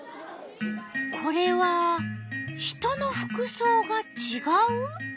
これは人の服そうがちがう？